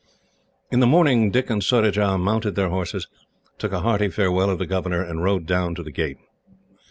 In the morning Dick and Surajah mounted their horses, took a hearty farewell of the governor, and rode down to the gate.